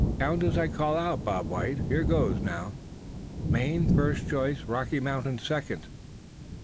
"Count as I call out, Bob White. Here goes now: Maine first choice, Rocky Mountains second."